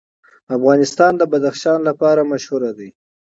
افغانستان د بدخشان لپاره مشهور دی.